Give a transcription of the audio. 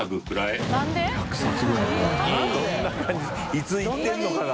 いつ行ってるのかな？